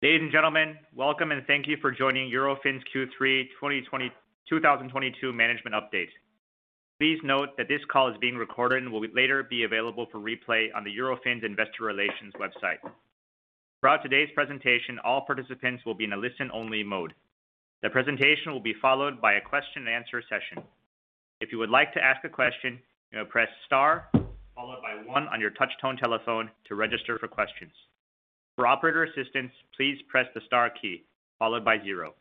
Ladies and gentlemen, welcome and thank you for joining Eurofins Q3 2022 management update. Please note that this call is being recorded and will later be available for replay on the Eurofins Investor Relations website. Throughout today's presentation, all participants will be in a listen-only mode. The presentation will be followed by a question-and-answer session. If you would like to ask a question, you may press star followed by one on your touch-tone telephone to register for questions. For operator assistance, please press the star key followed by zero.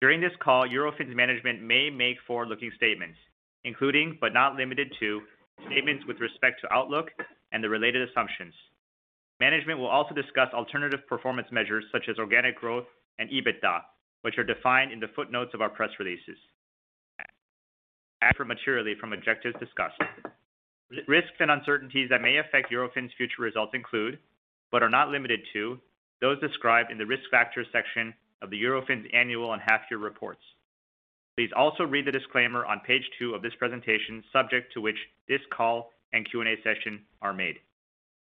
During this call, Eurofins Management may make forward-looking statements, including, but not limited to, statements with respect to outlook and the related assumptions. Management will also discuss alternative performance measures such as organic growth and EBITDA, which are defined in the footnotes of our press releases. Actual results may differ materially from objectives discussed. Risks and uncertainties that may affect Eurofins future results include, but are not limited to, those described in the Risk Factors section of the Eurofins annual and half year reports. Please also read the disclaimer on page two of this presentation, subject to which this call and Q&A session are made.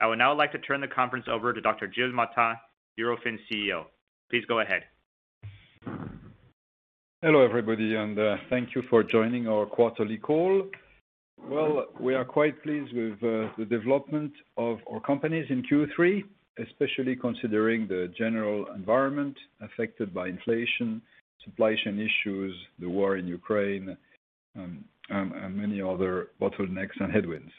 I would now like to turn the conference over to Dr. Gilles Martin, Eurofins CEO. Please go ahead. Hello, everybody, and thank you for joining our quarterly call. Well, we are quite pleased with the development of our companies in Q3, especially considering the general environment affected by inflation, supply chain issues, the war in Ukraine, and many other bottlenecks and headwinds.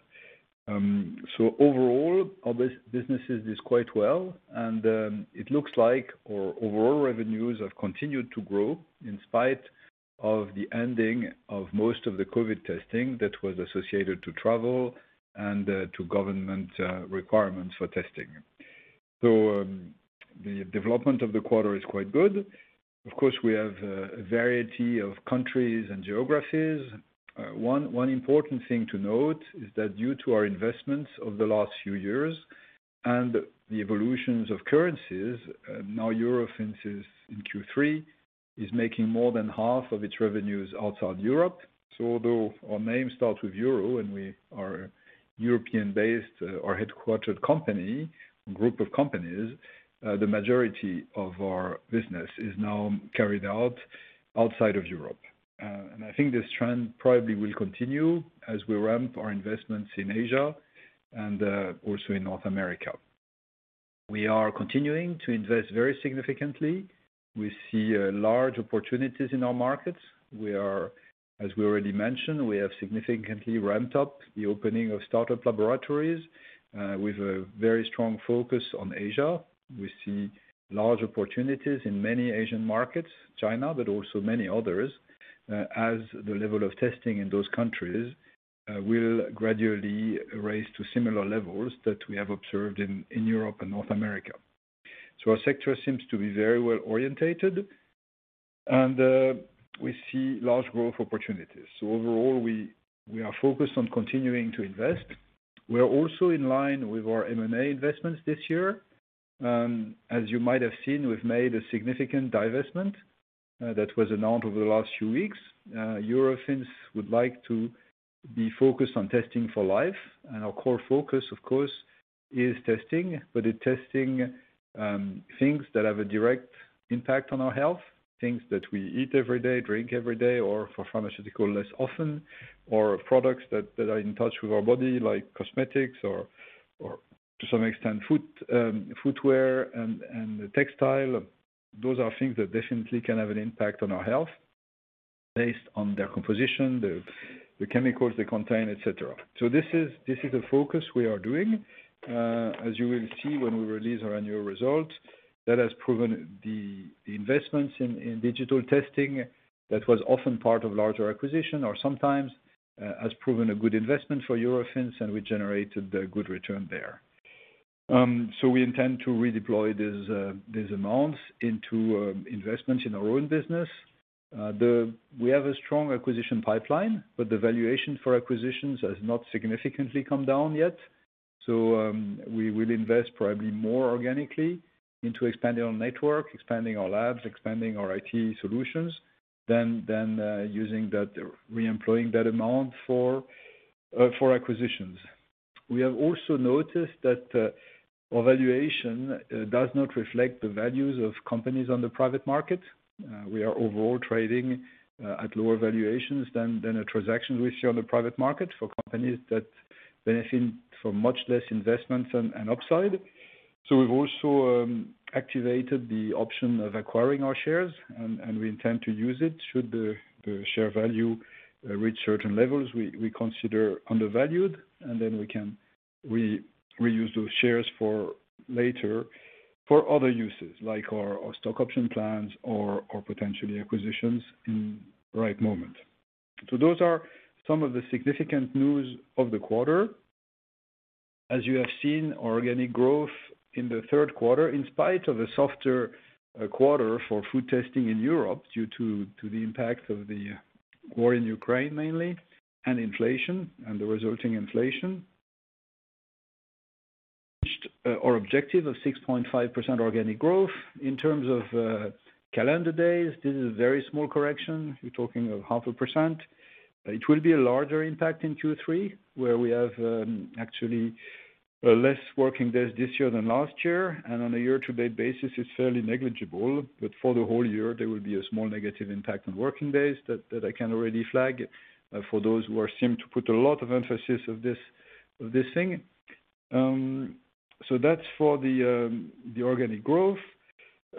Overall, our businesses did quite well and it looks like our overall revenues have continued to grow in spite of the ending of most of the COVID testing that was associated to travel and to government requirements for testing. The development of the quarter is quite good. Of course, we have a variety of countries and geographies. One important thing to note is that due to our investments over the last few years and the evolutions of currencies, now Eurofins, in Q3, is making more than 1/2 of its revenues outside Europe. Although our name starts with Euro and we are European-based or headquartered company, group of companies, the majority of our business is now carried out outside of Europe. I think this trend probably will continue as we ramp our investments in Asia and also in North America. We are continuing to invest very significantly. We see large opportunities in our markets. As we already mentioned, we have significantly ramped up the opening of start-up laboratories with a very strong focus on Asia. We see large opportunities in many Asian markets, China, but also many others, as the level of testing in those countries will gradually rise to similar levels that we have observed in Europe and North America. Our sector seems to be very well-oriented and we see large growth opportunities. Overall, we are focused on continuing to invest. We are also in line with our M&A investments this year. As you might have seen, we've made a significant divestment that was announced over the last few weeks. Eurofins would like to be focused on Testing for Life. Our core focus, of course, is testing, but in testing, things that have a direct impact on our health, things that we eat every day, drink every day, or for pharmaceutical, less often, or products that are in touch with our body, like cosmetics or, to some extent, footwear and textile. Those are things that definitely can have an impact on our health based on their composition, the chemicals they contain, et cetera. This is a focus we are doing. As you will see when we release our annual results, that has proven the investments in digital testing that was often part of larger acquisition or sometimes has proven a good investment for Eurofins, and we generated a good return there. We intend to redeploy these amounts into investments in our own business. We have a strong acquisition pipeline, but the valuation for acquisitions has not significantly come down yet. We will invest probably more organically into expanding our network, expanding our labs, expanding our IT solutions than reemploying that amount for acquisitions. We have also noticed that our valuation does not reflect the values of companies on the private market. We are overall trading at lower valuations than a transaction we see on the private market for companies that benefit from much less investments and upside. We've also activated the option of acquiring our shares, and we intend to use it should the share value reach certain levels we consider undervalued, and then we can reuse those shares for later for other uses like our stock option plans or potentially acquisitions in the right moment. Those are some of the significant news of the quarter. As you have seen, organic growth in the third quarter, in spite of a softer quarter for food testing in Europe due to the impact of the war in Ukraine mainly, and inflation, and the resulting inflation. Our objective of 6.5% organic growth. In terms of calendar days, this is a very small correction. We're talking of 0.5%. It will be a larger impact in Q3, where we have actually less working days this year than last year, and on a year-to-date basis, it's fairly negligible. For the whole year, there will be a small negative impact on working days that I can already flag for those who seem to put a lot of emphasis on this thing. That's for the organic growth.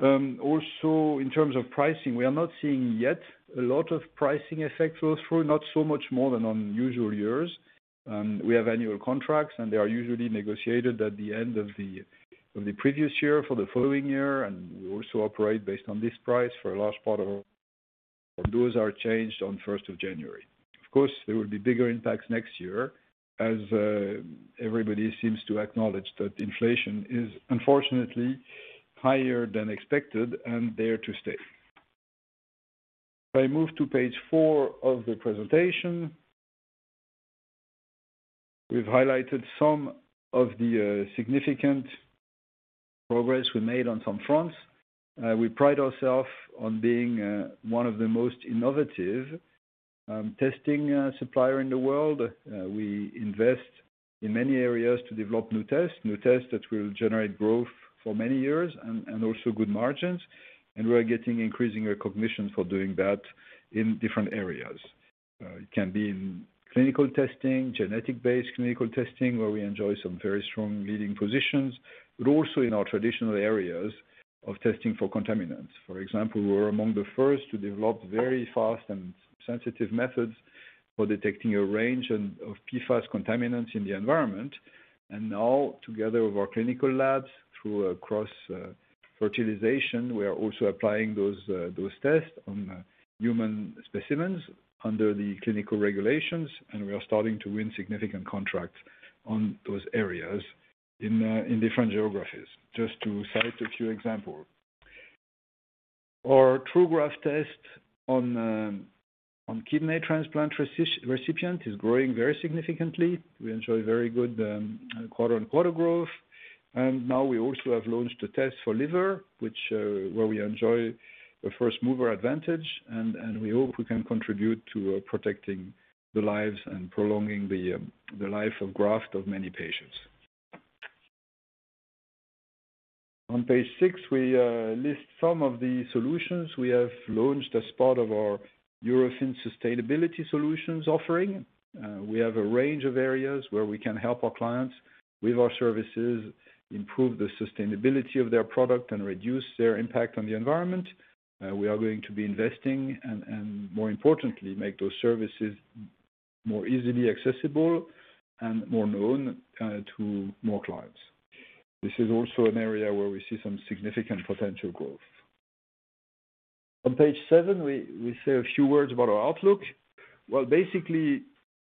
Also, in terms of pricing, we are not seeing yet a lot of pricing effects go through, not so much more than in usual years. We have annual contracts, and they are usually negotiated at the end of the previous year for the following year. We also operate based on this price for a large part. Those are changed on first of January. Of course, there will be bigger impacts next year, as everybody seems to acknowledge that inflation is unfortunately higher than expected and there to stay. If I move to page four of the presentation. We've highlighted some of the significant progress we made on some fronts. We pride ourself on being one of the most innovative testing supplier in the world. We invest in many areas to develop new tests that will generate growth for many years and also good margins. We are getting increasing recognition for doing that in different areas. It can be in clinical testing, genetic-based clinical testing, where we enjoy some very strong leading positions, but also in our traditional areas of testing for contaminants. For example, we were among the first to develop very fast and sensitive methods for detecting a range of PFAS contaminants in the environment. Now, together with our clinical labs through cross fertilization, we are also applying those tests on human specimens under the clinical regulations, and we are starting to win significant contracts on those areas in different geographies, just to cite a few examples. Our TruGraf test on kidney transplant recipient is growing very significantly. We enjoy very good quarter-on-quarter growth. Now we also have launched a test for liver, which where we enjoy a first mover advantage, and we hope we can contribute to protecting the lives and prolonging the life of graft of many patients. On page six, we list some of the solutions we have launched as part of our Eurofins Sustainability Services offering. We have a range of areas where we can help our clients with our services, improve the sustainability of their product, and reduce their impact on the environment. We are going to be investing and more importantly, make those services more easily accessible and more known to more clients. This is also an area where we see some significant potential growth. On page seven, we say a few words about our outlook. Well, basically,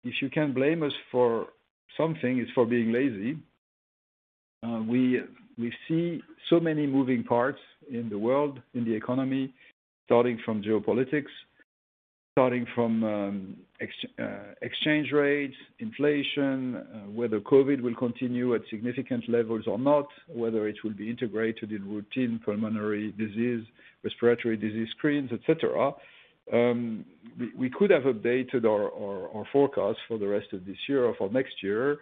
if you can blame us for something, it's for being lazy. We see so many moving parts in the world, in the economy, starting from geopolitics, FX exchange rates, inflation, whether COVID will continue at significant levels or not, whether it will be integrated in routine pulmonary disease, respiratory disease screens, et cetera. We could have updated our forecast for the rest of this year or for next year.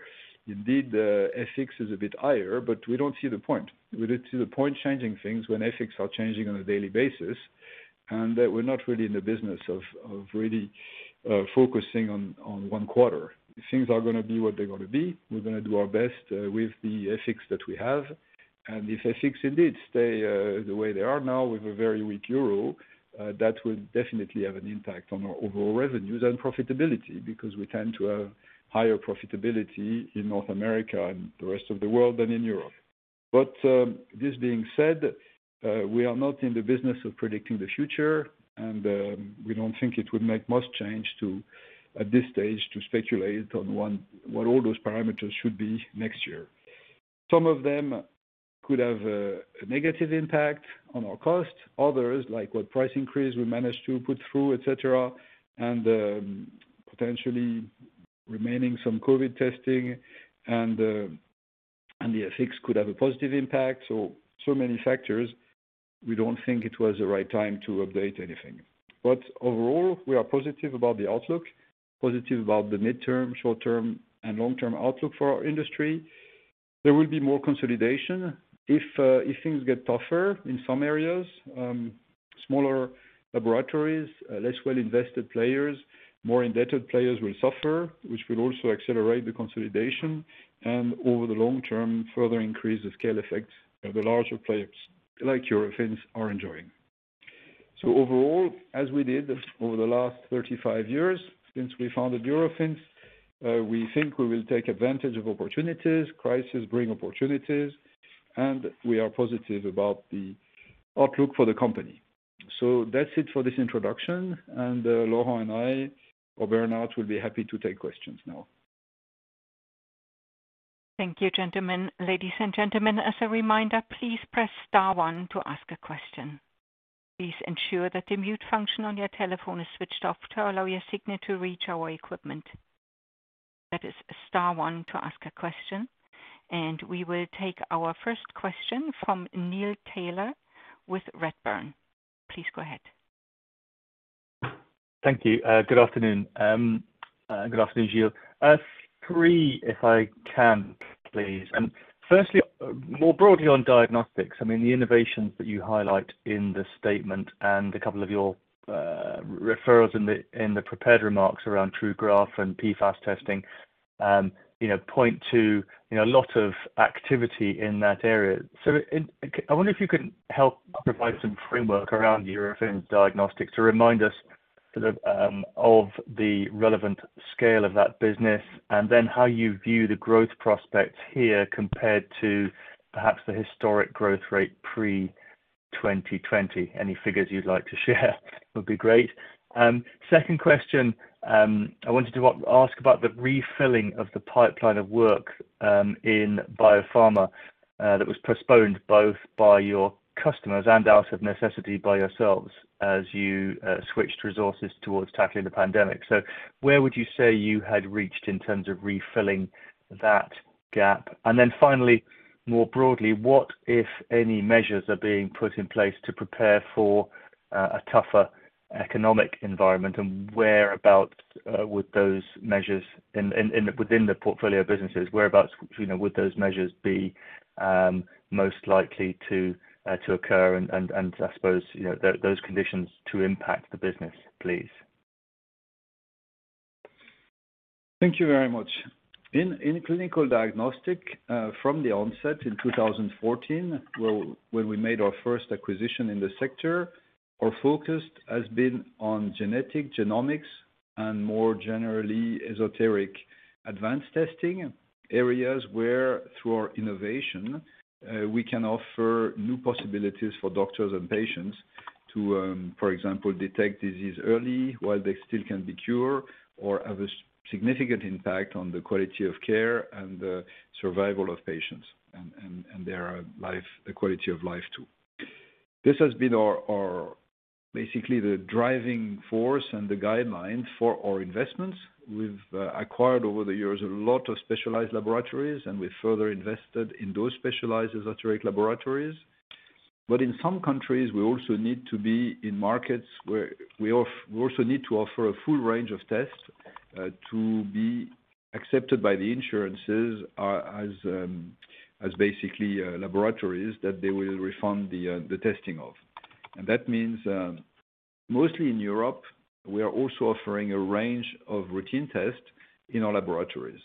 Indeed, the FX is a bit higher, but we don't see the point. We don't see the point changing things when FX are changing on a daily basis, and we're not really in the business of really focusing on one quarter. Things are gonna be what they're gonna be. We're gonna do our best with the FX that we have. If FX indeed stay the way they are now with a very weak Euro, that will definitely have an impact on our overall revenues and profitability, because we tend to have higher profitability in North America and the rest of the world than in Europe. This being said, we are not in the business of predicting the future, and we don't think it would make much sense to, at this stage, speculate on what all those parameters should be next year. Some of them could have a negative impact on our costs. Others, like the price increases we managed to put through, et cetera, and potentially remaining some COVID testing and the FX could have a positive impact. So many factors, we don't think it was the right time to update anything. Overall, we are positive about the outlook, positive about the midterm, short-term, and long-term outlook for our industry. There will be more consolidation. If things get tougher in some areas, smaller laboratories, less well-invested players, more indebted players will suffer, which will also accelerate the consolidation, and over the long term, further increase the scale effects the larger players like Eurofins are enjoying. Overall, as we did over the last 35 years since we founded Eurofins, we think we will take advantage of opportunities. Crisis bring opportunities, and we are positive about the outlook for the company. That's it for this introduction. Laurent and I or Bernard will be happy to take questions now. Thank you, gentlemen. Ladies and gentlemen, as a reminder, please press star one to ask a question. Please ensure that the mute function on your telephone is switched off to allow your signal to reach our equipment. That is star one to ask a question. We will take our first question from Neil Tyler with Redburn. Please go ahead. Thank you. Good afternoon. Good afternoon, Gilles. Three if I can, please. Firstly, more broadly on diagnostics, I mean, the innovations that you highlight in the statement and a couple of your references in the prepared remarks around TruGraf and PFAS testing, you know, point to, you know, a lot of activity in that area. I wonder if you can help provide some framework around Eurofins diagnostics to remind us sort of of the relevant scale of that business, and then how you view the growth prospects here compared to perhaps the historic growth rate pre-2020. Any figures you'd like to share would be great. Second question, I wanted to ask about the refilling of the pipeline of work in biopharma that was postponed both by your customers and out of necessity by yourselves as you switched resources towards tackling the pandemic. Where would you say you had reached in terms of refilling that gap? Finally, more broadly, what, if any, measures are being put in place to prepare for a tougher economic environment? Whereabouts would those measures in within the portfolio of businesses, whereabouts you know would those measures be most likely to occur and I suppose you know those conditions to impact the business, please. Thank you very much. In clinical diagnostics, from the onset in 2014, when we made our first acquisition in the sector, our focus has been on genetic genomics and more generally esoteric advanced testing areas where through our innovation, we can offer new possibilities for doctors and patients to, for example, detect disease early while they still can be cured or have a significant impact on the quality of care and the survival of patients and their quality of life too. This has been basically the driving force and the guideline for our investments. We've acquired over the years a lot of specialized laboratories, and we've further invested in those specialized esoteric laboratories. In some countries, we also need to be in markets where we also need to offer a full range of tests, to be accepted by the insurances as basically laboratories that they will refund the testing of. That means, mostly in Europe, we are also offering a range of routine tests in our laboratories.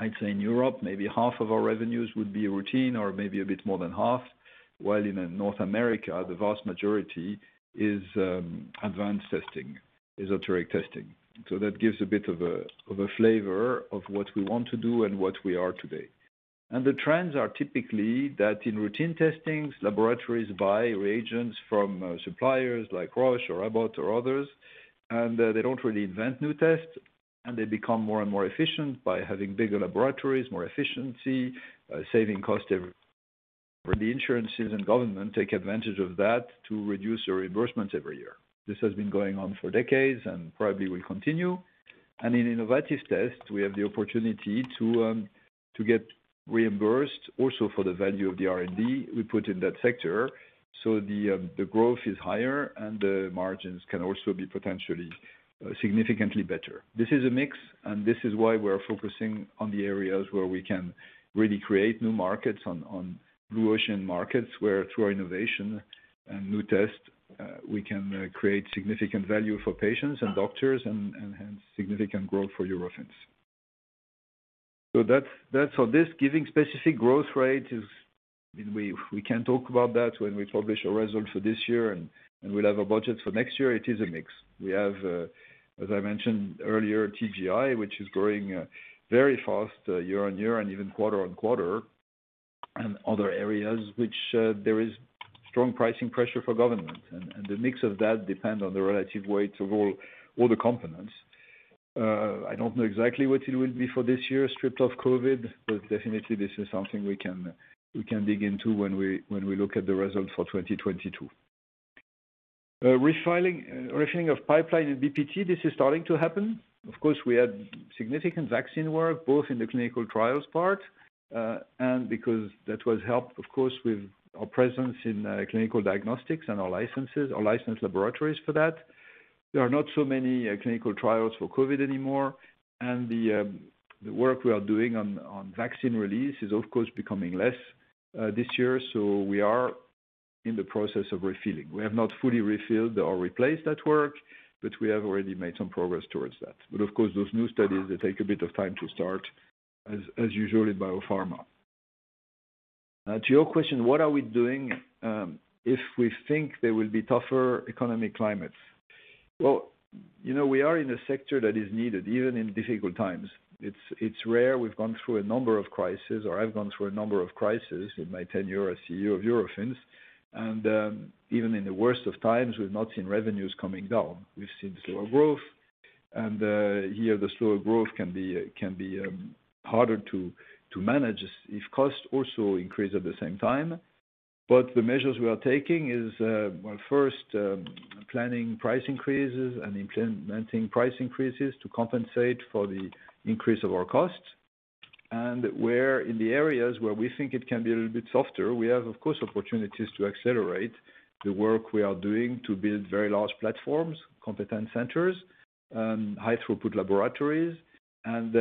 I'd say in Europe, maybe 1/2 of our revenues would be routine or maybe a bit more than 1/2. While in North America, the vast majority is advanced testing, esoteric testing. That gives a bit of a flavor of what we want to do and what we are today. The trends are typically that in routine testings, laboratories buy reagents from suppliers like Roche or Abbott or others, and they don't really invent new tests, and they become more and more efficient by having bigger laboratories, more efficiency, saving cost. The insurances and government take advantage of that to reduce their reimbursements every year. This has been going on for decades and probably will continue. In innovative tests, we have the opportunity to get reimbursed also for the value of the R&D we put in that sector. The growth is higher and the margins can also be potentially significantly better. This is a mix, and this is why we're focusing on the areas where we can really create new markets on blue ocean markets, where through our innovation and new tests we can create significant value for patients and doctors and hence significant growth for Eurofins. That's on this. We can talk about that when we publish our results for this year and we'll have a budget for next year. It is a mix. We have, as I mentioned earlier, TGI, which is growing very fast year-over-year and even quarter-over-quarter, and other areas which there is strong pricing pressure from government. The mix of that depends on the relative weight of all the components. I don't know exactly what it will be for this year, stripped of COVID, but definitely this is something we can dig into when we look at the results for 2022. Refilling of pipeline in BPT, this is starting to happen. Of course, we had significant vaccine work both in the clinical trials part, and because that was helped, of course, with our presence in clinical diagnostics and our licensed laboratories for that. There are not so many clinical trials for COVID anymore. The work we are doing on vaccine release is of course becoming less this year. We are in the process of refilling. We have not fully refilled or replaced that work, but we have already made some progress towards that. Of course, those new studies, they take a bit of time to start as usual in biopharma. To your question, what are we doing, if we think there will be tougher economic climates? Well, you know, we are in a sector that is needed even in difficult times. It's rare. We've gone through a number of crises, or I've gone through a number of crises in my tenure as CEO of Eurofins. Even in the worst of times, we've not seen revenues coming down. We've seen slower growth. Here the slower growth can be harder to manage if costs also increase at the same time. The measures we are taking is, well, first, planning price increases and implementing price increases to compensate for the increase of our costs. Where in the areas where we think it can be a little bit softer, we have, of course, opportunities to accelerate the work we are doing to build very large platforms, competence centers, high throughput laboratories, and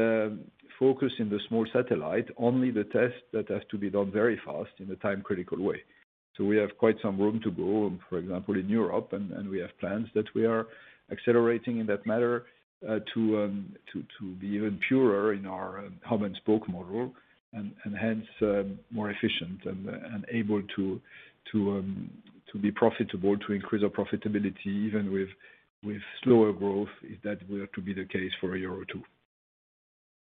focus in the small satellite, only the test that has to be done very fast in a time-critical way. We have quite some room to go, for example, in Europe, and we have plans that we are accelerating in that matter, to be even purer in our hub and spoke model and hence more efficient and able to be profitable, to increase our profitability even with slower growth, if that were to be the case for a year or two.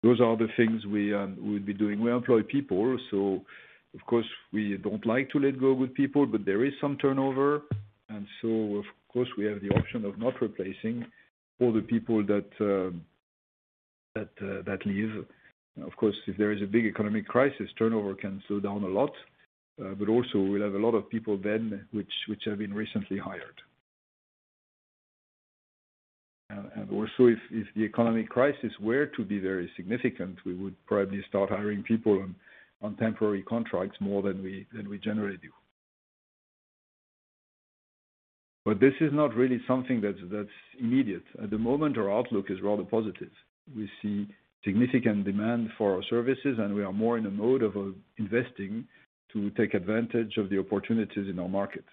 Those are the things we'll be doing. We employ people, so of course, we don't like to let go good people, but there is some turnover. Of course, we have the option of not replacing all the people that leave. Of course, if there is a big economic crisis, turnover can slow down a lot. Also we'll have a lot of people then which have been recently hired. If the economic crisis were to be very significant, we would probably start hiring people on temporary contracts more than we generally do. This is not really something that's immediate. At the moment, our outlook is rather positive. We see significant demand for our services, and we are more in a mode of investing to take advantage of the opportunities in our market.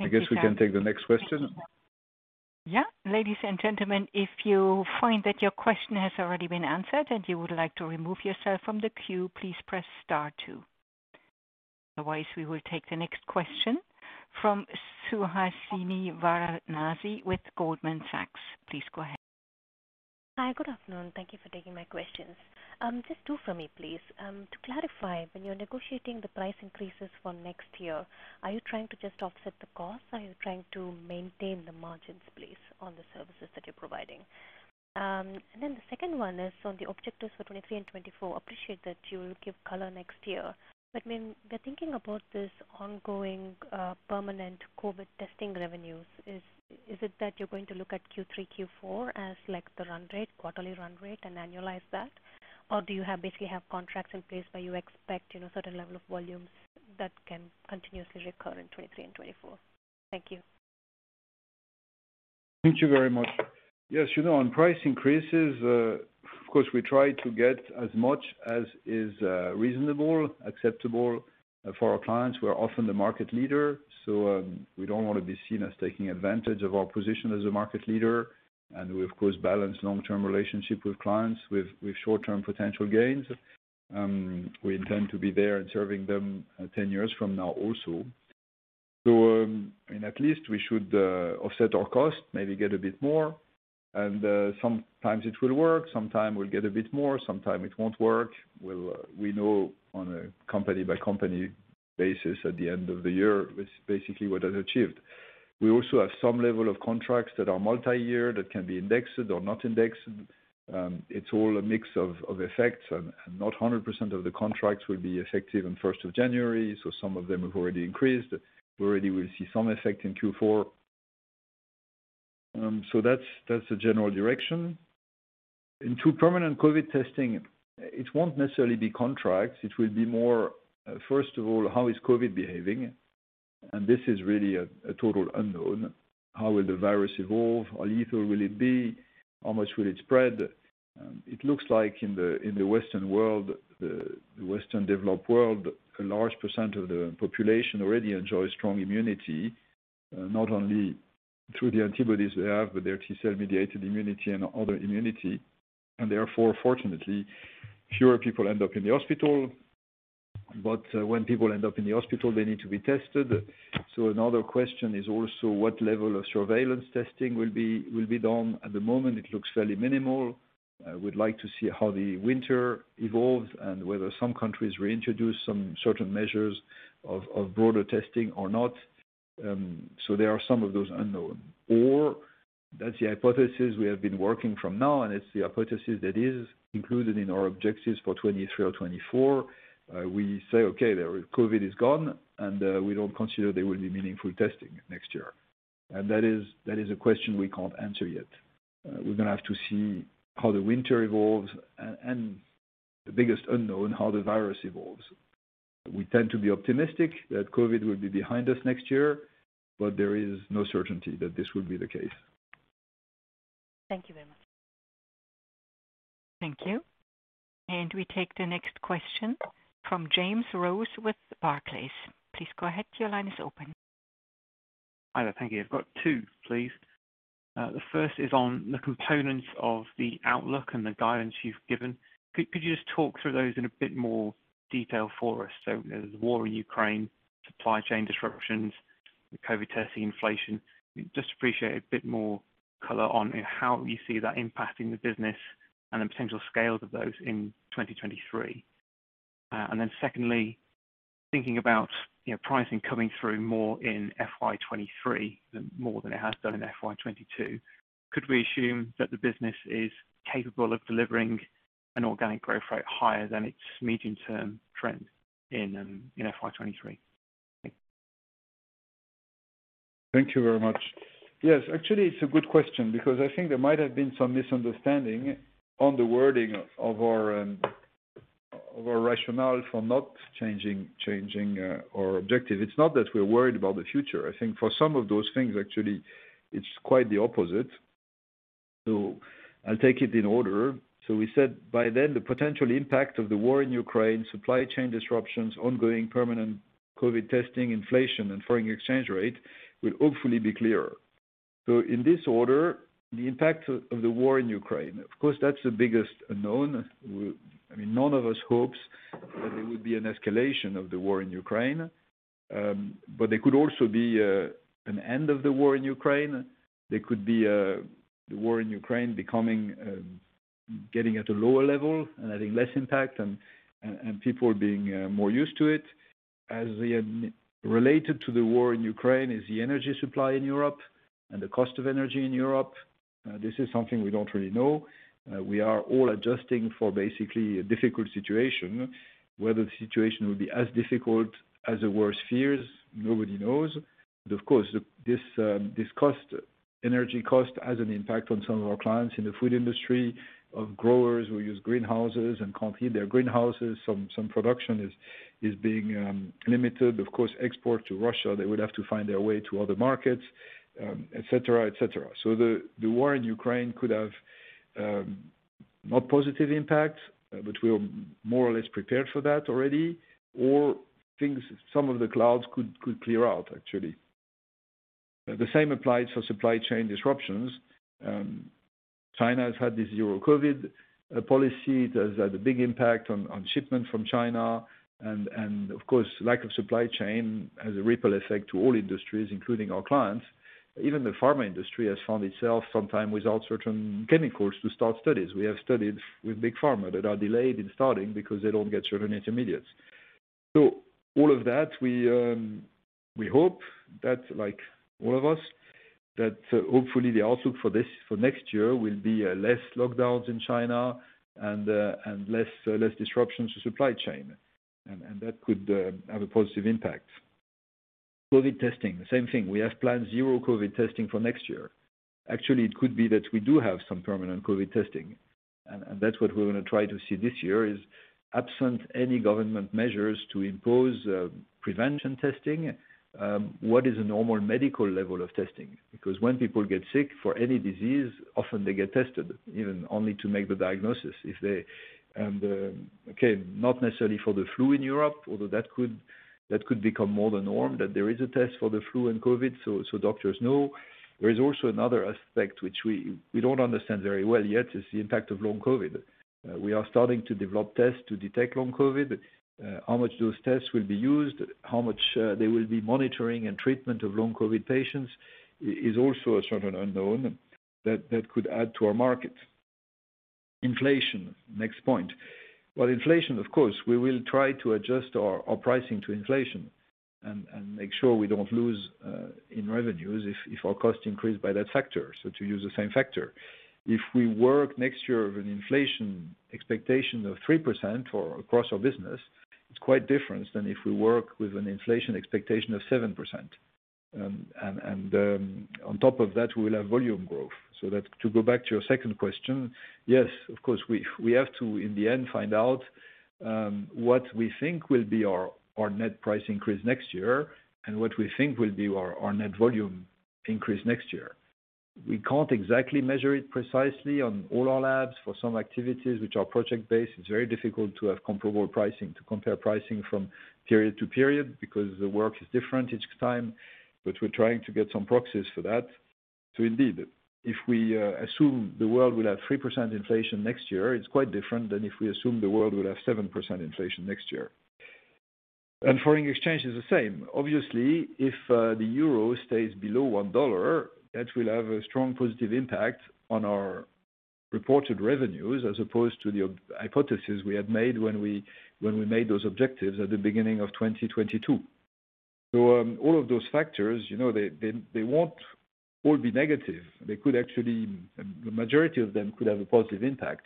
I guess we can take the next question. Yeah. Ladies and gentlemen, if you find that your question has already been answered and you would like to remove yourself from the queue, please press star two. Otherwise, we will take the next question from Suhasini Varanasi with Goldman Sachs. Please go ahead. Hi. Good afternoon. Thank you for taking my questions. Just two for me, please. To clarify, when you're negotiating the price increases for next year, are you trying to just offset the cost? Are you trying to maintain the margins, please, on the services that you're providing? And then the second one is on the objectives for 2023 and 2024. Appreciate that you'll give color next year. When we're thinking about this ongoing, permanent COVID testing revenues, is it that you're going to look at Q3, Q4 as like the run rate, quarterly run rate and annualize that? Or do you basically have contracts in place where you expect, you know, certain level of volumes that can continuously recur in 2023 and 2024? Thank you. Thank you very much. Yes, you know, on price increases, of course, we try to get as much as is reasonable, acceptable, for our clients. We are often the market leader, so we don't want to be seen as taking advantage of our position as a market leader. We of course balance long-term relationship with clients with short-term potential gains. We intend to be there and serving them, 10 years from now also. At least we should offset our cost, maybe get a bit more. Sometimes it will work, sometimes we'll get a bit more, sometimes it won't work. We know on a company-by-company basis at the end of the year, it's basically what is achieved. We also have some level of contracts that are multi-year, that can be indexed or not indexed. It's all a mix of effects and not 100% of the contracts will be effective on 1st of January. Some of them have already increased. We already will see some effect in Q4. That's the general direction. To permanent COVID testing, it won't necessarily be contracts. It will be more, first of all, how is COVID behaving, and this is really a total unknown. How will the virus evolve? How lethal will it be? How much will it spread? It looks like in the Western world, the Western developed world, a large percent of the population already enjoys strong immunity, not only through the antibodies they have, but their T-cell mediated immunity and other immunity. Therefore, fortunately, fewer people end up in the hospital. When people end up in the hospital, they need to be tested. Another question is also what level of surveillance testing will be done. At the moment, it looks fairly minimal. We'd like to see how the winter evolves and whether some countries reintroduce certain measures of broader testing or not. There are some of those unknown. That's the hypothesis we have been working from now, and it's the hypothesis that is included in our objectives for 2023 or 2024. We say, Okay, the COVID is gone, and we don't consider there will be meaningful testing next year. That is a question we can't answer yet. We're gonna have to see how the winter evolves and the biggest unknown, how the virus evolves. We tend to be optimistic that COVID will be behind us next year, but there is no certainty that this will be the case. Thank you very much. Thank you. We take the next question from James Lewis with Barclays. Please go ahead. Your line is open. Hi there. Thank you. I've got two, please. The first is on the components of the outlook and the guidance you've given. Could you just talk through those in a bit more detail for us? There's war in Ukraine, supply chain disruptions, the COVID testing, inflation. Just appreciate a bit more color on how you see that impacting the business and the potential scales of those in 2023. Secondly, thinking about, you know, pricing coming through more in FY 2023 than it has done in FY 2022, could we assume that the business is capable of delivering an organic growth rate higher than its medium term trend in FY 2023? Thank you very much. Yes, actually, it's a good question because I think there might have been some misunderstanding on the wording of our rationale for not changing our objective. It's not that we're worried about the future. I think for some of those things, actually, it's quite the opposite. I'll take it in order. We said by then, the potential impact of the war in Ukraine, supply chain disruptions, ongoing pandemic COVID testing, inflation, and foreign exchange rate will hopefully be clearer. In this order, the impact of the war in Ukraine, of course, that's the biggest unknown. I mean, none of us hopes that there would be an escalation of the war in Ukraine, but there could also be an end of the war in Ukraine. There could be the war in Ukraine becoming getting at a lower level and having less impact and people being more used to it. Related to the war in Ukraine is the energy supply in Europe and the cost of energy in Europe. This is something we don't really know. We are all adjusting for basically a difficult situation. Whether the situation will be as difficult as the worst fears, nobody knows. Of course, this this cost, energy cost, has an impact on some of our clients in the food industry, of growers who use greenhouses and can't heat their greenhouses. Some production is being limited. Of course, export to Russia, they would have to find their way to other markets, et cetera. The war in Ukraine could have not positive impact, but we are more or less prepared for that already, or things some of the clouds could clear out actually. The same applies for supply chain disruptions. China has had this zero-COVID policy. It has had a big impact on shipment from China. And of course, lack of supply chain has a ripple effect to all industries, including our clients. Even the pharma industry has found itself sometimes without certain chemicals to start studies. We have studies with big pharma that are delayed in starting because they don't get certain intermediates. All of that, we hope that like all of us, that hopefully the outlook for this for next year will be less lockdowns in China and less disruptions to supply chain. That could have a positive impact. COVID testing, same thing. We have planned zero COVID testing for next year. Actually, it could be that we do have some permanent COVID testing. That's what we're gonna try to see this year is absent any government measures to impose prevention testing, what is a normal medical level of testing? Because when people get sick for any disease, often they get tested even only to make the diagnosis if they... Not necessarily for the flu in Europe, although that could become more the norm, that there is a test for the flu and COVID, so doctors know. There is also another aspect which we don't understand very well yet, is the impact of long COVID. We are starting to develop tests to detect long COVID. How much those tests will be used, how much they will be monitoring and treatment of long COVID patients is also a certain unknown that could add to our market. Inflation, next point. Well, inflation, of course, we will try to adjust our pricing to inflation and make sure we don't lose in revenues if our costs increase by that factor. So to use the same factor. If we work next year with an inflation expectation of 3% for across our business, it's quite different than if we work with an inflation expectation of 7%. On top of that, we will have volume growth. To go back to your second question, yes, of course, we have to, in the end, find out what we think will be our net price increase next year and what we think will be our net volume increase next year. We can't exactly measure it precisely on all our labs. For some activities which are project-based, it's very difficult to have comparable pricing, to compare pricing from period to period because the work is different each time. But we're trying to get some proxies for that. Indeed, if we assume the world will have 3% inflation next year, it's quite different than if we assume the world will have 7% inflation next year. Foreign exchange is the same. Obviously, if the euro stays below $1, that will have a strong positive impact on our reported revenues, as opposed to the hypothesis we had made when we made those objectives at the beginning of 2022. All of those factors, you know, they won't all be negative. They could actually. The majority of them could have a positive impact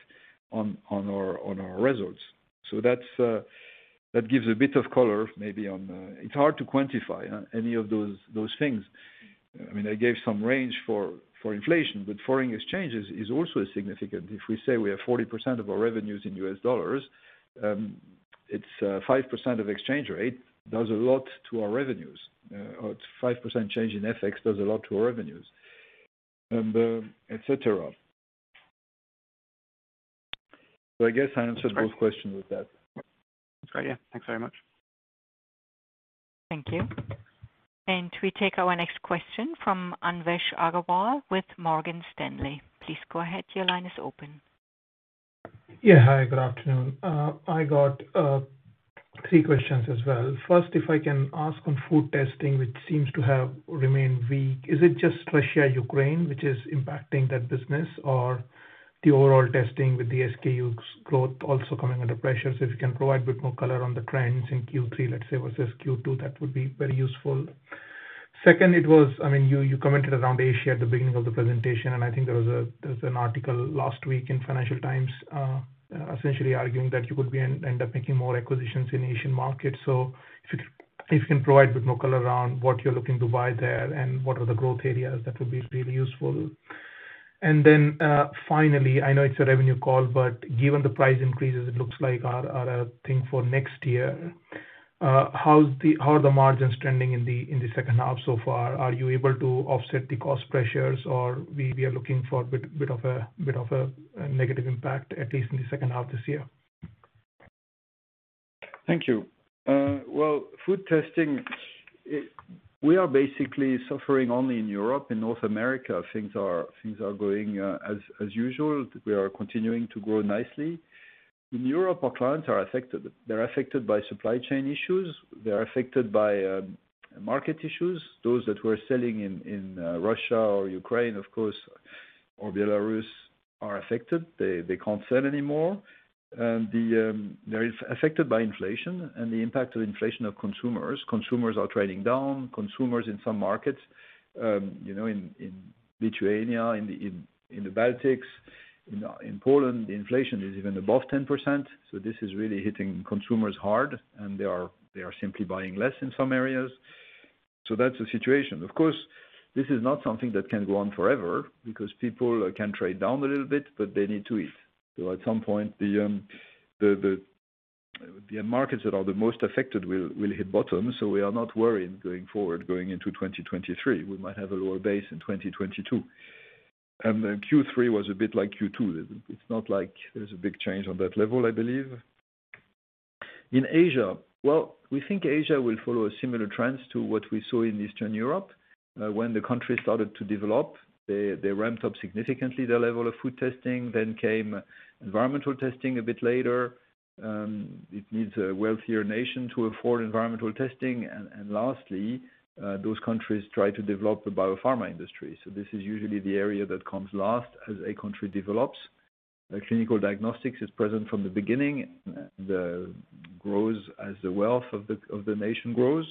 on our results. That gives a bit of color maybe. It's hard to quantify any of those things. I mean, I gave some range for inflation, but foreign exchange is also significant. If we say we have 40% of our revenues in U.S. dollars, it's 5% of exchange rate does a lot to our revenues. Or 5% change in FX does a lot to our revenues, et cetera. I guess I answered both questions with that. That's great. Yeah. Thanks very much. Thank you. We take our next question from Anvesh Agarwal with Morgan Stanley. Please go ahead. Your line is open. Yeah. Hi, good afternoon. I got three questions as well. First, if I can ask on food testing, which seems to have remained weak, is it just Russia-Ukraine which is impacting that business or the overall testing with the SKU growth also coming under pressure? If you can provide a bit more color on the trends in Q3, let's say, versus Q2, that would be very useful. Second, it was I mean, you commented around Asia at the beginning of the presentation, and I think there was an article last week in Financial Times, essentially arguing that you would end up making more acquisitions in Asian markets. If you can provide a bit more color around what you're looking to buy there and what are the growth areas, that would be really useful. Finally, I know it's a revenue call, but given the price increases, it looks like are a thing for next year. How are the margins trending in the second half so far? Are you able to offset the cost pressures, or we are looking for a bit of a negative impact, at least in the second half this year. Thank you. Well, food testing, we are basically suffering only in Europe. In North America, things are going as usual. We are continuing to grow nicely. In Europe, our clients are affected. They're affected by supply chain issues. They're affected by market issues. Those that were selling in Russia or Ukraine, of course, or Belarus are affected. They can't sell anymore. They're affected by inflation and the impact of inflation on consumers. Consumers are trading down. Consumers in some markets, you know, in Lithuania, in the Baltics, in Poland, the inflation is even above 10%, so this is really hitting consumers hard, and they are simply buying less in some areas. That's the situation. Of course, this is not something that can go on forever because people can trade down a little bit, but they need to eat. So at some point, the markets that are the most affected will hit bottom, so we are not worried going forward, going into 2023. We might have a lower base in 2022. Then Q3 was a bit like Q2. It's not like there's a big change on that level, I believe. In Asia, we think Asia will follow a similar trends to what we saw in Eastern Europe. When the country started to develop, they ramped up significantly their level of food testing, then came environmental testing a bit later. It needs a wealthier nation to afford environmental testing. Lastly, those countries try to develop a biopharma industry. This is usually the area that comes last as a country develops. The clinical diagnostics is present from the beginning, grows as the wealth of the nation grows.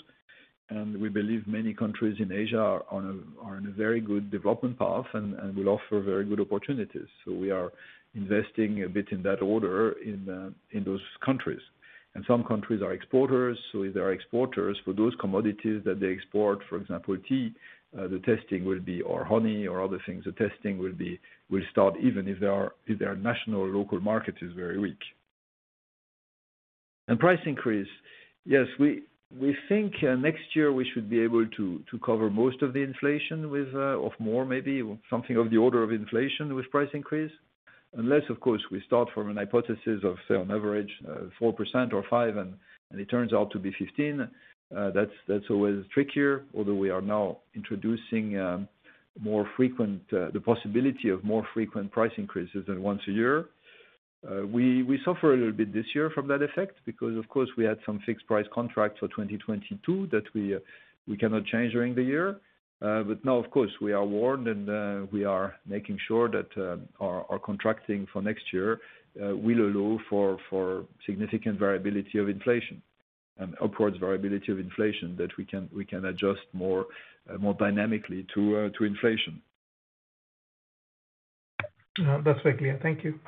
We believe many countries in Asia are on a very good development path and will offer very good opportunities. We are investing a bit in that order in those countries. Some countries are exporters. If they are exporters, for those commodities that they export, for example, tea, or honey or other things, the testing will start even if their national or local market is very weak. Price increase. Yes, we think next year we should be able to cover most of the inflation with or more maybe something of the order of inflation with price increase. Unless, of course, we start from a hypothesis of, say, on average, 4% or 5%, and it turns out to be 15%, that's always trickier. Although we are now introducing the possibility of more frequent price increases than once a year. We suffer a little bit this year from that effect because, of course, we had some fixed price contracts for 2022 that we cannot change during the year. Now, of course, we are warned and we are making sure that our contracting for next year will allow for significant variability of inflation and upwards variability of inflation that we can adjust more dynamically to inflation. That's very clear. Thank you.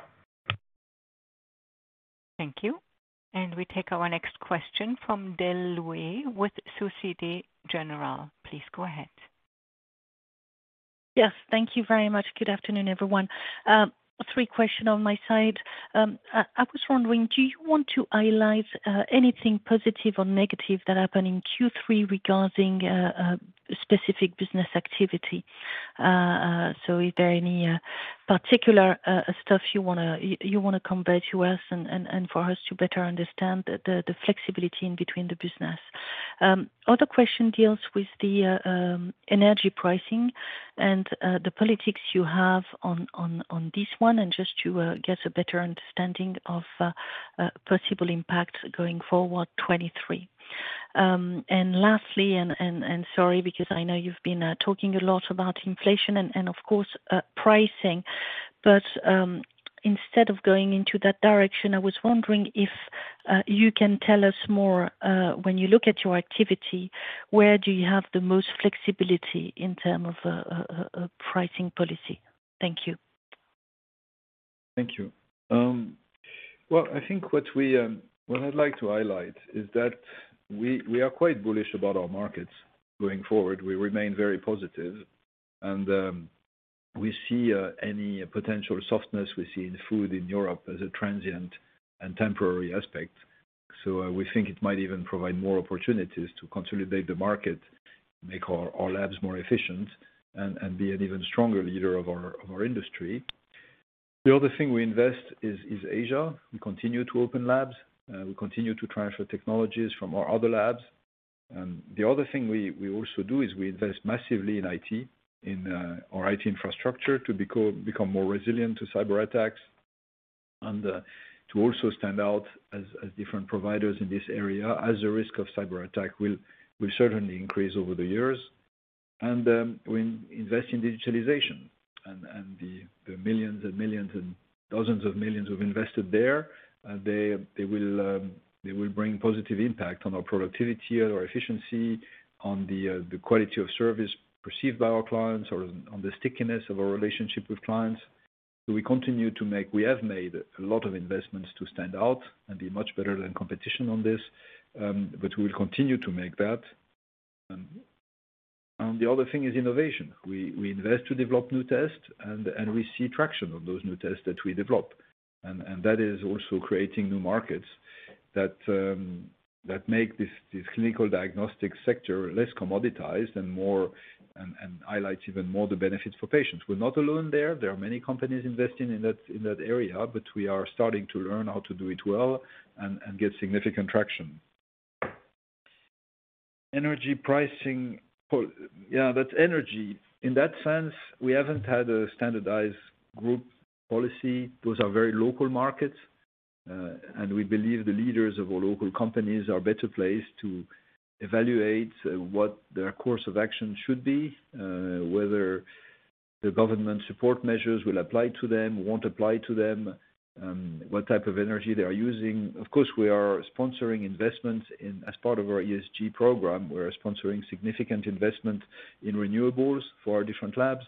Thank you. We take our next question from Delphine Le Louet with Société Générale. Please go ahead. Yes. Thank you very much. Good afternoon, everyone. Three questions on my side. I was wondering, do you want to highlight anything positive or negative that happened in Q3 regarding specific business activity? Is there any particular stuff you wanna compare to us and for us to better understand the flexibility in between the business? Other question deals with the energy pricing and the policy you have on this one and just to get a better understanding of possible impact going forward 2023. Lastly, sorry, because I know you've been talking a lot about inflation and of course pricing. Instead of going into that direction, I was wondering if you can tell us more, when you look at your activity, where do you have the most flexibility in terms of a pricing policy? Thank you. Thank you. Well, I think what I'd like to highlight is that we are quite bullish about our markets going forward. We remain very positive and we see any potential softness we see in food in Europe as a transient and temporary aspect. We think it might even provide more opportunities to consolidate the market, make our labs more efficient, and be an even stronger leader of our industry. The other thing we invest in is Asia. We continue to open labs. We continue to transfer technologies from our other labs. The other thing we also do is we invest massively in IT, in our IT infrastructure to become more resilient to cyberattacks and to also stand out as different providers in this area as the risk of cyberattack will certainly increase over the years. We invest in digitalization. The millions and millions and dozens of millions we've invested there, they will bring positive impact on our productivity or efficiency, on the quality of service perceived by our clients or on the stickiness of our relationship with clients. We have made a lot of investments to stand out and be much better than competition on this, but we will continue to make that. The other thing is innovation. We invest to develop new tests, and we see traction of those new tests that we develop. That is also creating new markets that make this clinical diagnostic sector less commoditized and more and highlights even more the benefits for patients. We're not alone there. There are many companies investing in that area, but we are starting to learn how to do it well and get significant traction. Energy pricing. Yeah, that's energy. In that sense, we haven't had a standardized group policy. Those are very local markets, and we believe the leaders of our local companies are better placed to evaluate what their course of action should be, whether the government support measures will apply to them, won't apply to them, what type of energy they are using. Of course, we are sponsoring investments as part of our ESG program. We're sponsoring significant investment in renewables for our different labs.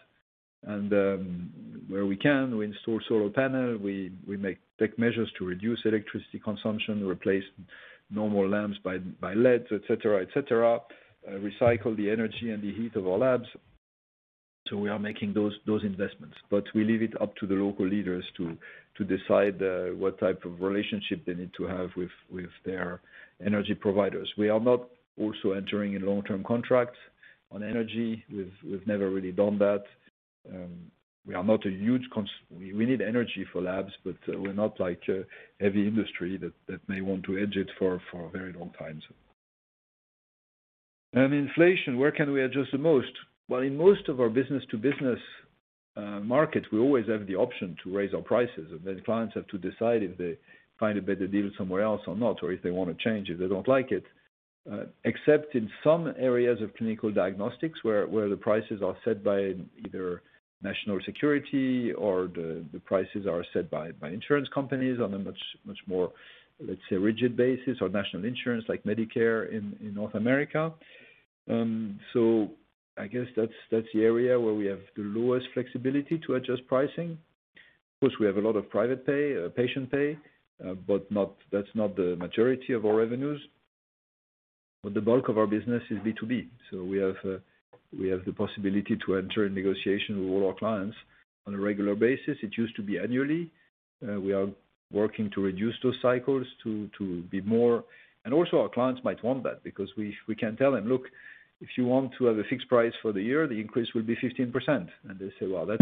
Where we can, we install solar panel, we take measures to reduce electricity consumption, replace normal lamps by LEDs, et cetera, recycle the energy and the heat of our labs. We are making those investments, but we leave it up to the local leaders to decide what type of relationship they need to have with their energy providers. We are not also entering into long-term contracts on energy. We've never really done that. We are not a huge consumer. We need energy for labs, but we're not like a heavy industry that may want to hedge it for a very long time. Inflation, where can we adjust the most? Well, in most of our business-to-business markets, we always have the option to raise our prices. Clients have to decide if they find a better deal somewhere else or not, or if they wanna change, if they don't like it. Except in some areas of clinical diagnostics where the prices are set by either national security or the prices are set by insurance companies on a much more, let's say, rigid basis or national insurance like Medicare in North America. I guess that's the area where we have the lowest flexibility to adjust pricing. Of course, we have a lot of private pay, patient pay, but that's not the majority of our revenues. The bulk of our business is B2B, so we have the possibility to enter a negotiation with all our clients on a regular basis. It used to be annually. We are working to reduce those cycles to be more. Our clients might want that because we can tell them, Look, if you want to have a fixed price for the year, the increase will be 15%. They say, Well, that's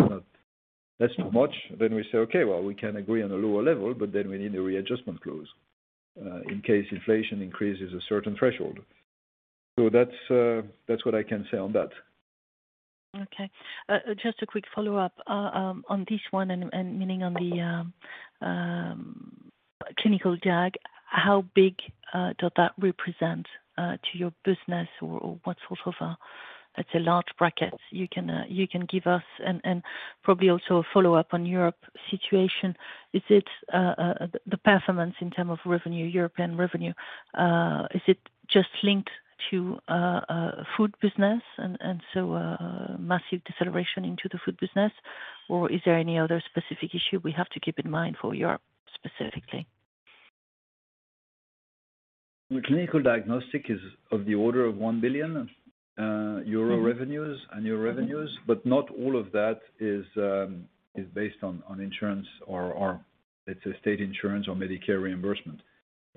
not much. We say, Okay, well, we can agree on a lower level, but then we need a readjustment clause in case inflation increases a certain threshold. That's what I can say on that. Okay. Just a quick follow-up on this one and meaning on the clinical diagnostics. How big does that represent to your business or what sort of a, let's say, large brackets you can give us? Probably also a follow-up on the European situation. Is it the performance in terms of revenue, European revenue, is it just linked to food business and so massive deceleration in the food business? Or is there any other specific issue we have to keep in mind for Europe specifically? The clinical diagnostic is of the order of 1 billion euro annual revenues, but not all of that is based on insurance or let's say state insurance or Medicare reimbursement.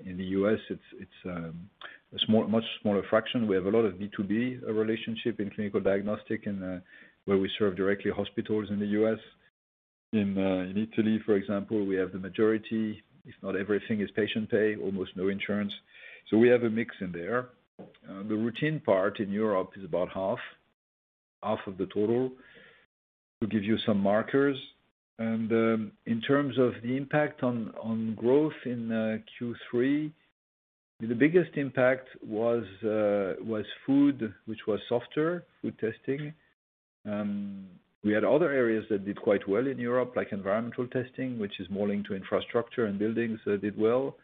In the U.S., it's a much smaller fraction. We have a lot of B2B relationship in clinical diagnostic and where we serve directly hospitals in the U.S.. In Italy, for example, we have the majority, if not everything is patient pay, almost no insurance. So we have a mix in there. The routine part in Europe is about half of the total, to give you some markers. In terms of the impact on growth in Q3, the biggest impact was food, which was softer, food testing. We had other areas that did quite well in Europe, like environmental testing, which is more linked to infrastructure and buildings, so it did well.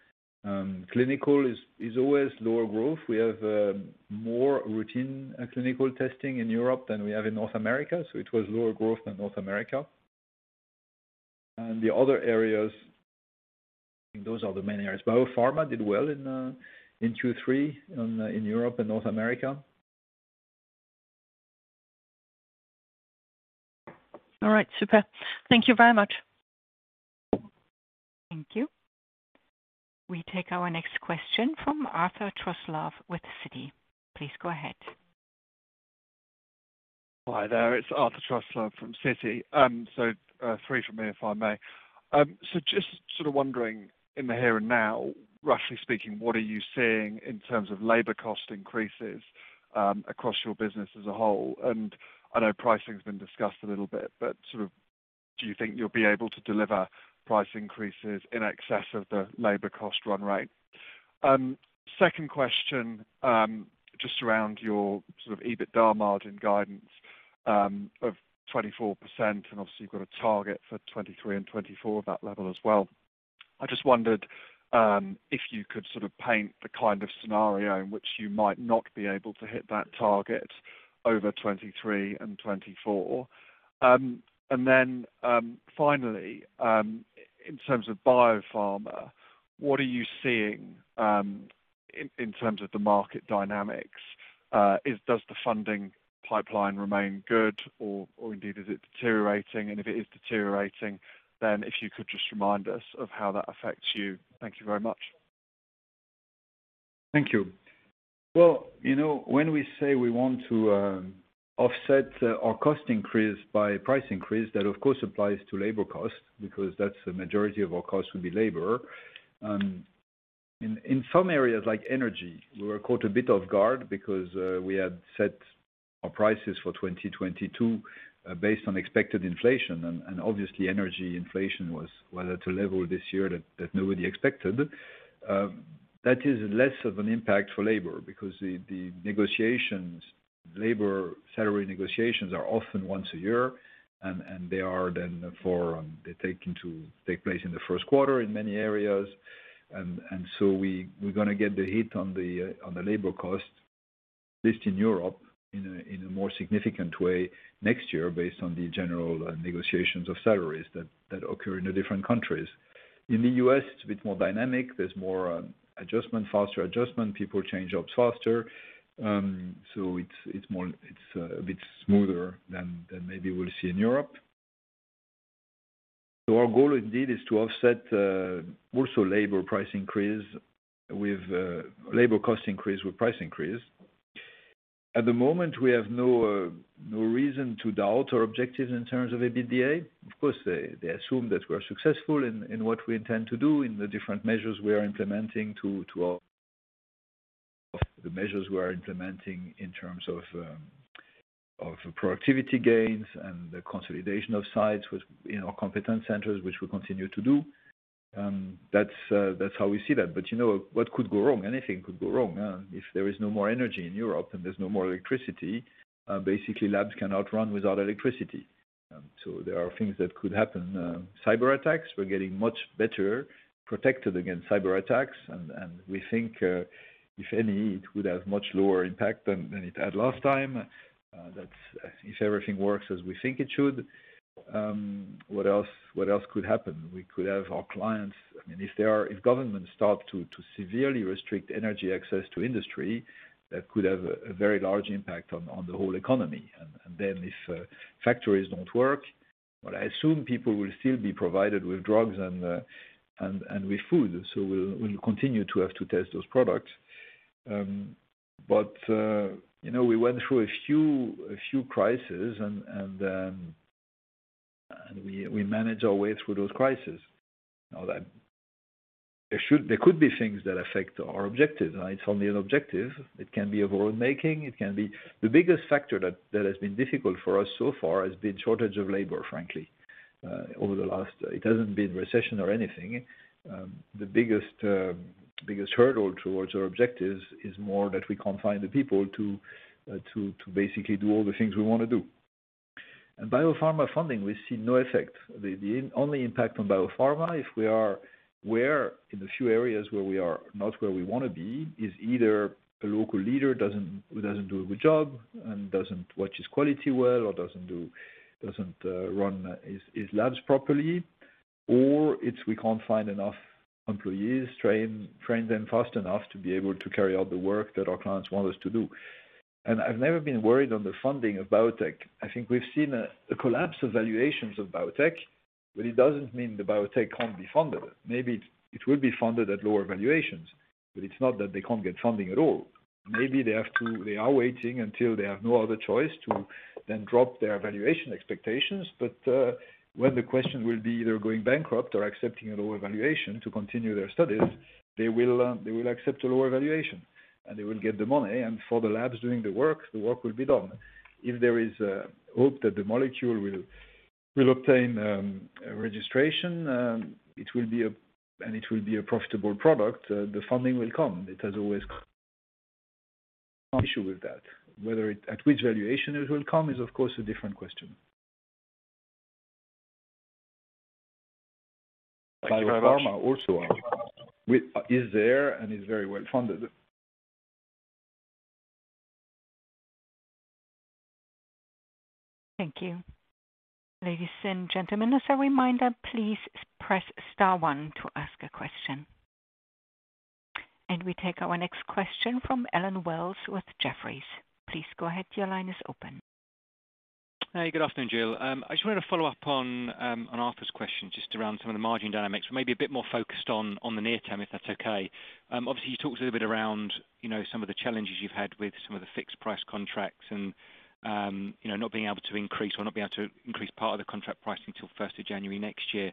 Clinical is always lower growth. We have more routine clinical testing in Europe than we have in North America, so it was lower growth than North America. The other areas, those are the main areas. BioPharma did well in Q3 in Europe and North America. All right. Super. Thank you very much. Thank you. We take our next question from Arthur Truslove with Citi. Please go ahead. Hi there. It's Arthur Truslove from Citi. Three from me, if I may. Just sort of wondering in the here and now, roughly speaking, what are you seeing in terms of labor cost increases across your business as a whole? I know pricing has been discussed a little bit, but do you think you'll be able to deliver price increases in excess of the labor cost run rate? Second question, just around your sort of EBITDA margin guidance of 24%, and obviously you've got a target for 2023 and 2024 of that level as well. I just wondered if you could sort of paint the kind of scenario in which you might not be able to hit that target over 2023 and 2024. Finally, in terms of biopharma, what are you seeing in terms of the market dynamics? Does the funding pipeline remain good or indeed is it deteriorating? If it is deteriorating, then if you could just remind us of how that affects you. Thank you very much. Thank you. Well, you know, when we say we want to offset our cost increase by price increase, that of course applies to labor cost because that's the majority of our cost will be labor. In some areas like energy, we were caught a bit off guard because we had set our prices for 2022 based on expected inflation and obviously energy inflation was, well, at a level this year that nobody expected. That is less of an impact for labor because the negotiations, labor salary negotiations are often once a year and they are then for they take place in the first quarter in many areas. We're gonna get the hit on the labor cost, at least in Europe, in a more significant way next year based on the general negotiations of salaries that occur in the different countries. In the U.S., it's a bit more dynamic. There's more adjustment, faster adjustment. People change jobs faster. It's a bit smoother than maybe we'll see in Europe. Our goal indeed is to offset also labor price increase with labor cost increase with price increase. At the moment, we have no reason to doubt our objectives in terms of EBITDA. Of course, they assume that we're successful in what we intend to do in the different measures we are implementing to our. The measures we are implementing in terms of productivity gains and the consolidation of sites with, you know, competence centers which we continue to do. That's how we see that. You know, what could go wrong? Anything could go wrong. If there is no more energy in Europe and there's no more electricity, basically labs cannot run without electricity. There are things that could happen. Cyberattacks, we're getting much better protected against cyberattacks, and we think, if any, it would have much lower impact than it had last time. That's if everything works as we think it should. What else could happen? We could have our clients. I mean, if governments start to severely restrict energy access to industry, that could have a very large impact on the whole economy. Then if factories don't work, but I assume people will still be provided with drugs and with food. We'll continue to have to test those products. You know, we went through a few crises and we manage our way through those crises. There could be things that affect our objective. It's only an objective. It can be a world making. It can be. The biggest factor that has been difficult for us so far has been shortage of labor, frankly, over the last. It hasn't been recession or anything. The biggest hurdle towards our objectives is more that we can't find the people to basically do all the things we wanna do. Biopharma funding, we see no effect. The only impact on biopharma where in the few areas where we are not where we wanna be is either a local leader who doesn't do a good job and doesn't watch his quality well or doesn't run his labs properly, or it's we can't find enough employees, train them fast enough to be able to carry out the work that our clients want us to do. I've never been worried on the funding of biotech. I think we've seen a collapse of valuations of biotech, but it doesn't mean the biotech can't be funded. Maybe it will be funded at lower valuations, but it's not that they can't get funding at all. Maybe they are waiting until they have no other choice to then drop their valuation expectations. When the question will be either going bankrupt or accepting a lower valuation to continue their studies, they will accept a lower valuation, and they will get the money. For the labs doing the work, the work will be done. If there is hope that the molecule will obtain a registration, it will be a profitable product, the funding will come. It has always been an issue with that. Whether at which valuation it will come is of course a different question. Thank you very much. BioPharma is also there and is very well funded. Thank you. Ladies and gentlemen, as a reminder, please press star one to ask a question. We take our next question from Allen Wells with Jefferies. Please go ahead. Your line is open. Hey, good afternoon, Gilles. I just wanted to follow up on Arthur's question just around some of the margin dynamics, but maybe a bit more focused on the near term, if that's okay. Obviously you talked a little bit around, you know, some of the challenges you've had with some of the fixed price contracts and, you know, not being able to increase part of the contract pricing till first of January next year.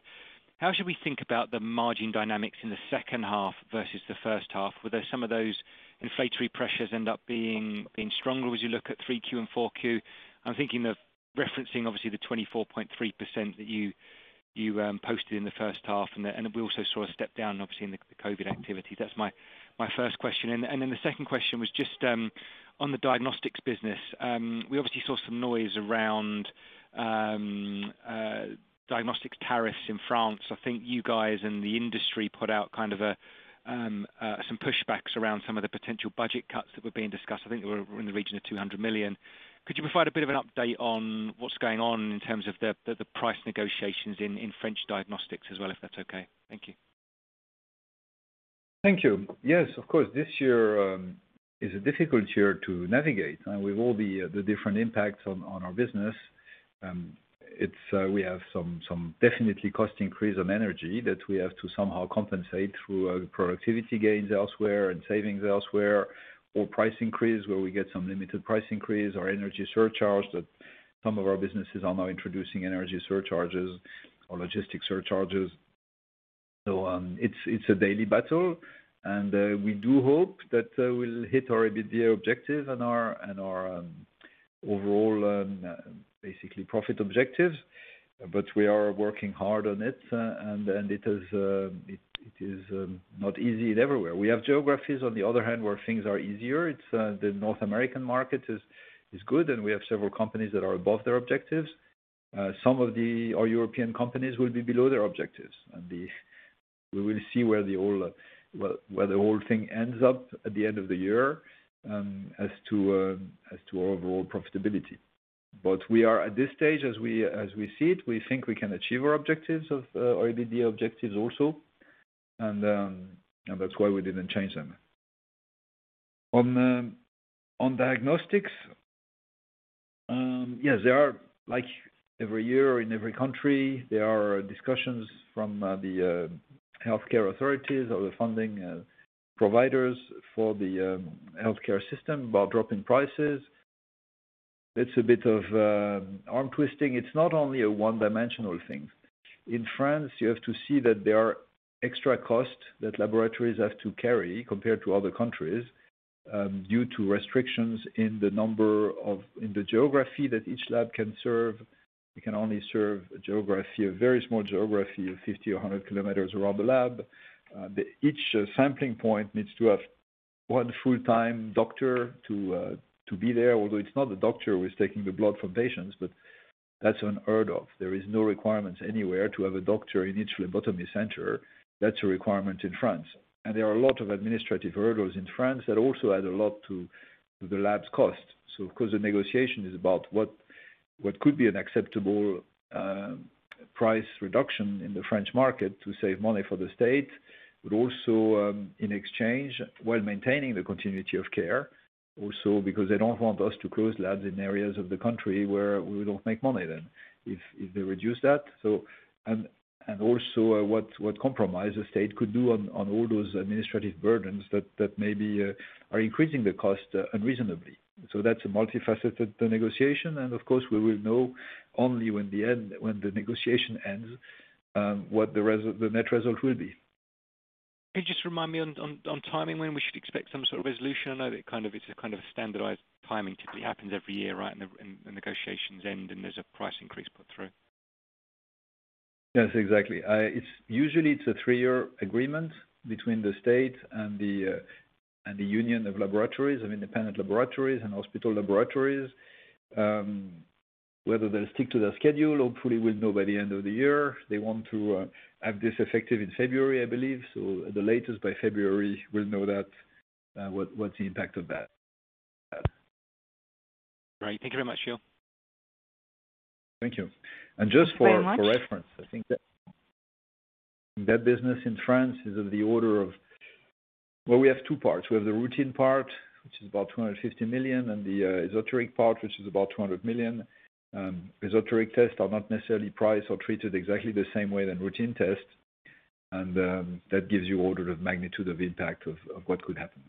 How should we think about the margin dynamics in the second half versus the first half? Would there be some of those inflationary pressures end up being stronger as you look at 3Q and 4Q? I'm thinking of referencing obviously the 24.3% that you posted in the first half, and we also saw a step down obviously in the COVID activity. That's my first question. The second question was just on the diagnostics business. We obviously saw some noise around diagnostic tariffs in France. I think you guys in the industry put out kind of some pushbacks around some of the potential budget cuts that were being discussed. I think they were in the region of 200 million. Could you provide a bit of an update on what's going on in terms of the price negotiations in French diagnostics as well, if that's okay? Thank you. Thank you. Yes, of course. This year is a difficult year to navigate, and with all the different impacts on our business, it's we have some definitely cost increase on energy that we have to somehow compensate through productivity gains elsewhere and savings elsewhere, or price increase, where we get some limited price increase or energy surcharge that some of our businesses are now introducing energy surcharges or logistic surcharges. It's a daily battle. We do hope that we'll hit our EBITDA objective and our overall basically profit objectives. We are working hard on it, and it is not easy everywhere. We have geographies, on the other hand, where things are easier. It's the North American market is good, and we have several companies that are above their objectives. Our European companies will be below their objectives. We will see where the whole thing ends up at the end of the year, as to overall profitability. We are at this stage, as we see it, we think we can achieve our objectives of our EBITDA objectives also, and that's why we didn't change them. On diagnostics, yes, there are like every year in every country, there are discussions from the healthcare authorities or the funding providers for the healthcare system about drop in prices. That's a bit of arm twisting. It's not only a one-dimensional thing. In France, you have to see that there are extra costs that laboratories have to carry compared to other countries, due to restrictions in the geography that each lab can serve. It can only serve a geography, a very small geography of 50 km or 100 km around the lab. Each sampling point needs to have one full-time doctor to be there, although it's not the doctor who is taking the blood from patients, but that's unheard of. There is no requirements anywhere to have a doctor in each phlebotomy center. That's a requirement in France. There are a lot of administrative hurdles in France that also add a lot to the lab's cost. Of course, the negotiation is about what could be an acceptable price reduction in the French market to save money for the state, but also in exchange while maintaining the continuity of care. Because they don't want us to close labs in areas of the country where we don't make money, then if they reduce that. What compromise the state could do on all those administrative burdens that maybe are increasing the cost unreasonably. That's a multifaceted negotiation. Of course, we will know only when the negotiation ends what the net result will be. Can you just remind me on timing, when we should expect some sort of resolution? I know that kind of a standardized timing typically happens every year, right? The negotiations end, and there's a price increase put through. Yes, exactly. It's usually a three-year agreement between the state and the union of laboratories, of independent laboratories and hospital laboratories. Whether they'll stick to their schedule, hopefully we'll know by the end of the year. They want to have this effective in February, I believe. The latest by February, we'll know that, what's the impact of that. Great. Thank you very much, Gilles. Thank you. Thanks very much. Just for reference, I think that business in France is of the order of. Well, we have two parts. We have the routine part, which is about 250 million, and the esoteric part, which is about 200 million. Esoteric tests are not necessarily priced or treated exactly the same way than routine tests, and that gives you order of magnitude of impact of what could happen.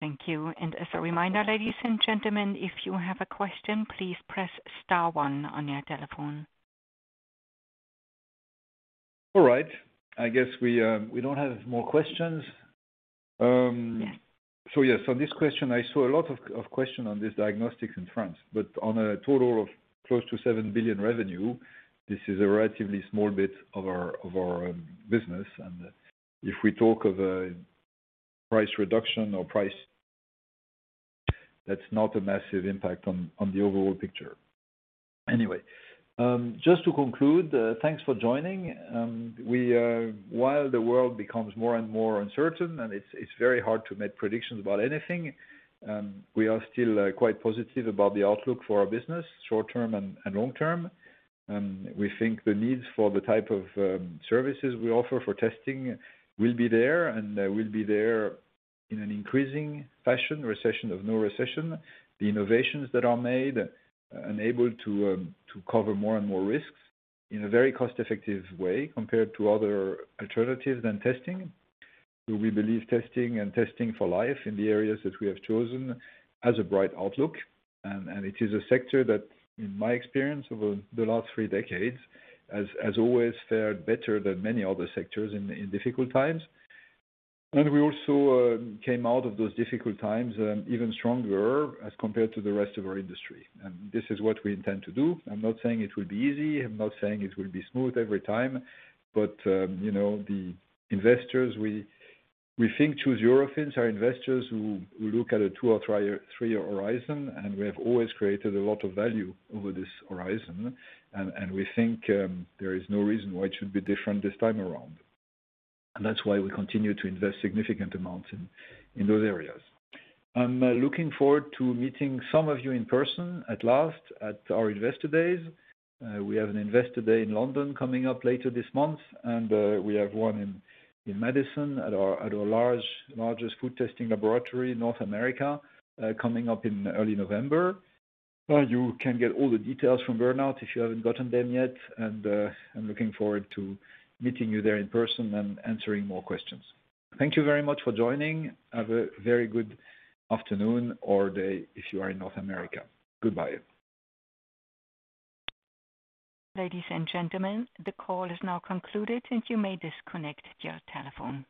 Thank you. As a reminder, ladies and gentlemen, if you have a question, please press star one on your telephone. All right. I guess we don't have more questions. Yes. Yes. This question, I saw a lot of questions on this diagnostics in France, but on a total of close to 7 billion revenue, this is a relatively small bit of our business. If we talk of a price reduction or price, that's not a massive impact on the overall picture. Anyway, just to conclude, thanks for joining. While the world becomes more and more uncertain and it's very hard to make predictions about anything, we are still quite positive about the outlook for our business, short-term and long-term. We think the needs for the type of services we offer for testing will be there in an increasing fashion, recession or no recession. The innovations that are made and able to cover more and more risks in a very cost-effective way compared to other alternatives than testing. We believe testing and Testing for Life in the areas that we have chosen has a bright outlook. It is a sector that, in my experience over the last three decades, has always fared better than many other sectors in difficult times. We also came out of those difficult times even stronger as compared to the rest of our industry. This is what we intend to do. I'm not saying it will be easy. I'm not saying it will be smooth every time. You know, the investors who choose Eurofins are investors who look at a two-year or three-year horizon, and we have always created a lot of value over this horizon. We think there is no reason why it should be different this time around. That's why we continue to invest significant amounts in those areas. I'm looking forward to meeting some of you in person at last at our Investor Days. We have an Investor Day in London coming up later this month, and we have one in Madison at our largest food testing laboratory in North America coming up in early November. You can get all the details from Bernard if you haven't gotten them yet. I'm looking forward to meeting you there in person and answering more questions. Thank you very much for joining. Have a very good afternoon or day if you are in North America. Goodbye. Ladies and gentlemen, the call is now concluded. You may disconnect your telephone.